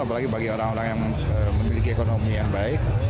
apalagi bagi orang orang yang memiliki ekonomi yang baik